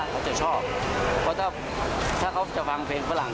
เขาจะชอบเพราะถ้าเขาจะฟังเพลงฝรั่ง